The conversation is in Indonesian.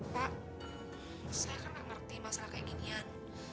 pak saya kan nggak ngerti masalah kayak ginian